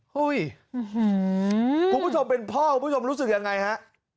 คุณผู้ชมเป็นพ่อคุณผู้ชมรู้สึกยังไงฮะ